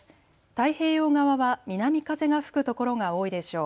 太平洋側は南風が吹くところが多いでしょう。